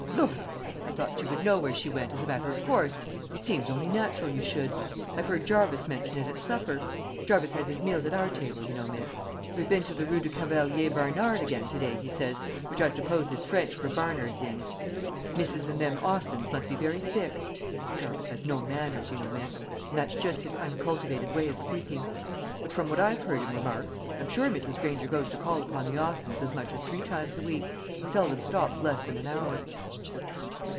"Lor', miss, I thought you would know where she went, as a matter of course. It seems only natural you should. I've heard Jarvis mention it at supper. Jarvis has his meals at our table, you know, miss. 'We've been to the Rue du Cavalier Barnard again to day,' he says, 'which I suppose is French for Barnard's inn. Missus and them Austins must be very thick.' Jarvis has no manners, you know, miss; and that's just his uncultivated way of speaking. But from what I've heard him remark, I'm sure Mrs. Granger goes to call upon the Austins as much as three times a week, and seldom stops less than an hour."